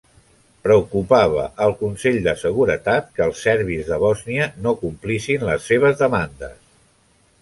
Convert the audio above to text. Preocupava al Consell de Seguretat que els serbis de Bòsnia no complissin les seves demandes.